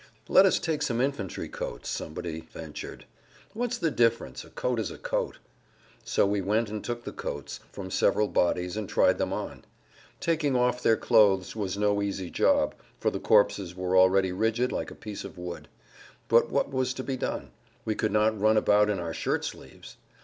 "Let us take some infantry coats," somebody ventured; "what's the difference? A coat is a coat." So we went and took the coats from several bodies and tried them on. Taking off their clothes was no easy job, for the corpses were already rigid like a piece of wood. But what was to be done? We could not run about in our shirt sleeves!